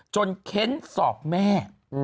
จนเข็นศพแม่